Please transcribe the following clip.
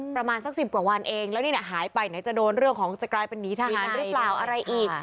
ประมาณสัก๑๐กว่าวันเองแล้วนี้ใช้ไปถ้าไม่ดูขึ้นจะโดนจะกลายเป็นหนีทหารรึเปล่าอะไรอีก